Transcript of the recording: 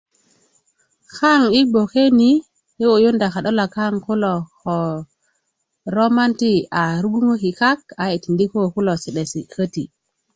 kaŋ i bgoke ni yi wuyunda ka'dolak kaŋ kulo ko roman ti yi a ruguŋöki ka a yi tikindi ko kulo si'desi